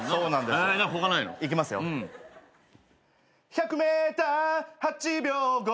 「１００ｍ８秒５８」